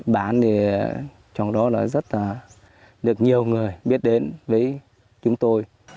bán trong đó rất là được nhiều người đều đều kì cơ